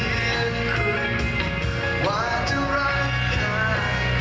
อีกเพลงหนึ่งครับนี้ให้สนสารเฉพาะเลย